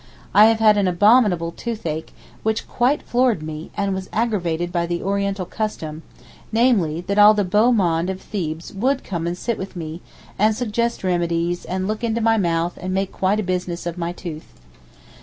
I have had an abominable toothache, which quite floored me, and was aggravated by the Oriental custom, namely, that all the beau monde of Thebes would come and sit with me, and suggest remedies, and look into my mouth, and make quite a business of my tooth.